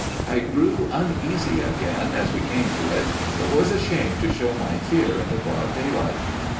"I grew uneasy again as we came to it, but was ashamed to show my fear in the broad daylight.